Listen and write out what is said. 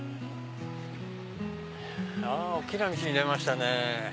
大きな道に出ましたね。